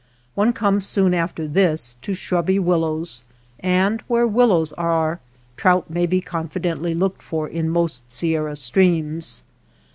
One comes soon after this to shrubby willows, and where willows are trout may be confidently looked for in most Sierra streams.